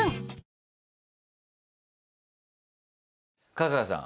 春日さん。